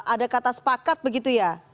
ada kata sepakat begitu ya